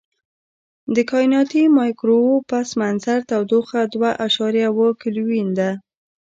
د کائناتي مایکروویو پس منظر تودوخه دوه اعشاریه اووه کیلوین ده.